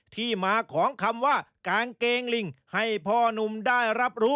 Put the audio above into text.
ที่มาของคำว่ากางเกงลิงให้พ่อนุ่มได้รับรู้